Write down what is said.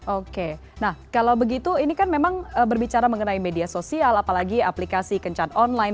oke nah kalau begitu ini kan memang berbicara mengenai media sosial apalagi aplikasi kencan online